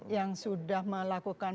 yang sudah melakukan